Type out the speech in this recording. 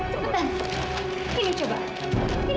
cepetan kesini pak